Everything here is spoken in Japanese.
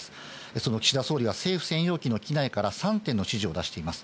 その岸田総理は、政府専用機の機内から３点の指示を出しています。